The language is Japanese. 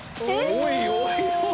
おいおいおいおい！